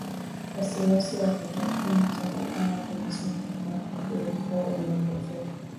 wasiwasi wa kutokea machafuko mapya nchini cote de voire imeongezeka